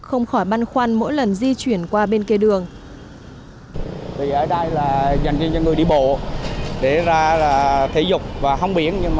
không khỏi băn khoăn mỗi lần di chuyển qua bên kia đường